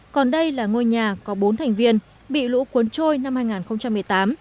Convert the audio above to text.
còn đây là ngôi nhà có bốn thành viên bị lũ cuốn trôi năm hai nghìn một mươi tám